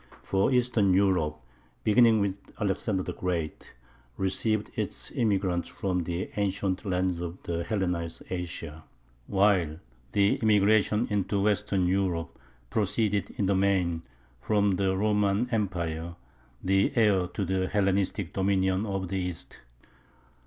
For Eastern Europe, beginning with Alexander the Great, received its immigrants from the ancient lands of Hellenized Asia, while the immigration into Western Europe proceeded in the main from the Roman Empire, the heir to the Hellenic dominion of the East.